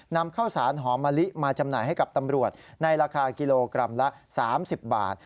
นำข้าวสารหอมมะลิมาจำหน่ายให้กับตำรวจในราคากิโลกรัมละ๓๐บาท